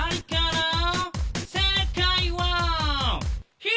正解は左！